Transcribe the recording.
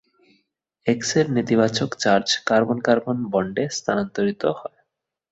X এর নেতিবাচক charge carbon - carbon বন্ডে স্থানান্তরিত হয়।